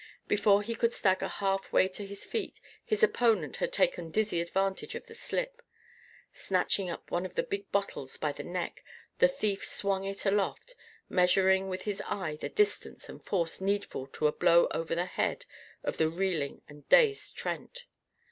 Before he could stagger half way to his feet his opponent had taken dizzy advantage of the slip. Snatching up one of the big bottles by the neck, the thief swung it aloft, measuring with his eye the distance and force needful to a blow over the head of the reeling and dazed Trent.